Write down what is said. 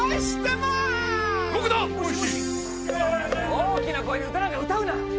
「大きな声で歌なんか歌うな」